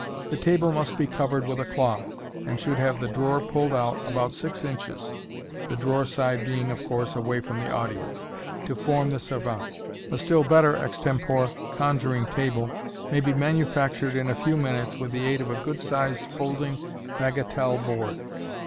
The table must be covered with a cloth j and should have the drawer pulled out about six inches (the drawer side being, of course, away from the audience) to form the servante. A still better extempore conjuring table may be manufactured in a few minutes with the aid of a good sized folding bagatelle board.